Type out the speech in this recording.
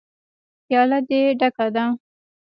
_پياله دې ډکه ده.